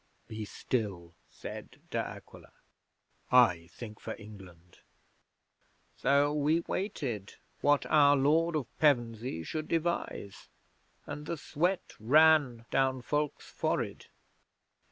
'"Be still," said De Aquila. "I think for England." 'So we waited what our Lord of Pevensey should devise; and the sweat ran down Fulke's forehead.